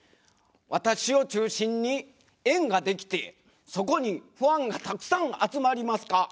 私を中心に円ができてそこにファンがたくさん集まりますか？